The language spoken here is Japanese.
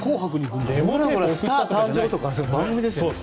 スター誕生とか番組でしたよ。